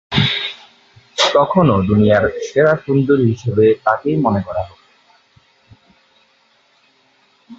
তখনও দুনিয়ার সেরা সুন্দরী হিসেবে তাকেই মনে করা হতো।